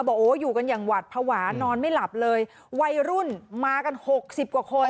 บอกโอ้อยู่กันอย่างหวัดภาวะนอนไม่หลับเลยวัยรุ่นมากันหกสิบกว่าคน